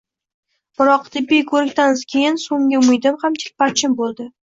Biroq tibbiy ko`rikdan keyin so`nggi umidim ham chilparchin bo`ldi